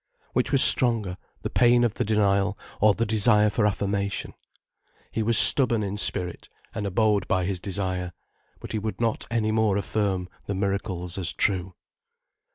Which was stronger, the pain of the denial, or the desire for affirmation? He was stubborn in spirit, and abode by his desire. But he would not any more affirm the miracles as true.